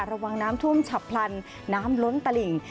ระวังน้ำท่วมฉับพลันน้ำล้นตลิ่ง